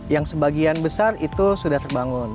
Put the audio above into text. yang sebagian besar itu sudah terbangun